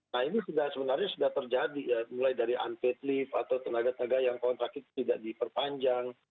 nah ini sebenarnya sudah terjadi mulai dari unfit lift atau tenaga tenaga yang kontrak tidak diperpanjang